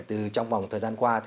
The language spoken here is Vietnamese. trong vòng thời gian qua